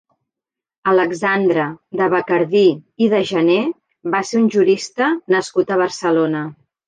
Alexandre de Bacardí i de Janer va ser un jurista nascut a Barcelona.